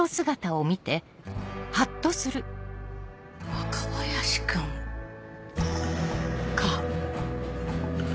若林君か。